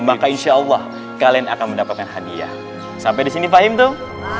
maka insyaallah kalian akan mendapatkan hadiah sampai di sini fahim tuh